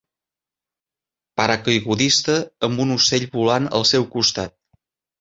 Paracaigudista amb un ocell volant al seu costat